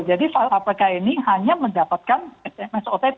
jadi file apk ini hanya mendapatkan sms otp